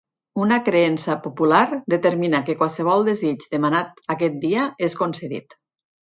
Una creença popular determina que qualsevol desig demanat aquest dia és concedit.